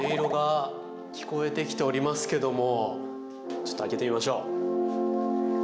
・ちょっと開けてみましょう。